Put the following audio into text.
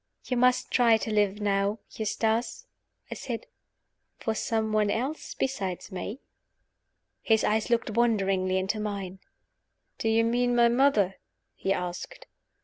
"You must try to live now, Eustace," I said, "for some one else besides me." His eyes looked wonderingly into mine. "Do you mean my mother?" he asked.